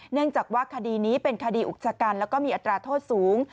เนื่องจากว่าคดีนี้เป็นคดีอุกชะกันแล้วก็มีอัตราโทษสูง